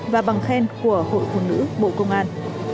và bằng khen của hội phụ nữ bộ công an